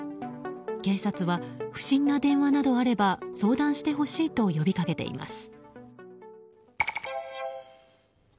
警察は不審な電話などあれば相談してほしいと呼びかけています。